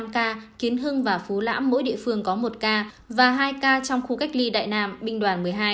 năm ca kiến hưng và phú lãm mỗi địa phương có một ca và hai ca trong khu cách ly đại nam binh đoàn một mươi hai